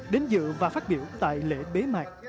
đến dự và phát biểu tại lễ bế mạc